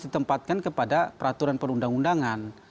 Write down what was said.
ditempatkan kepada peraturan perundang undangan